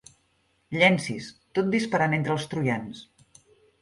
Llencis, tot disparant entre els troians.